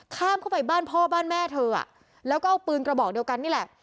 เข้าไปบ้านพ่อบ้านแม่เธออ่ะแล้วก็เอาปืนกระบอกเดียวกันนี่แหละ